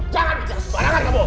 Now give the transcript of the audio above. jangan bicara sebarang hal kamu